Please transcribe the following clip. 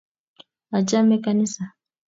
Achame kanisa